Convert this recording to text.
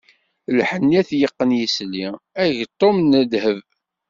Lḥenni ad t-yeqqen yisli, ageṭṭum n dheb.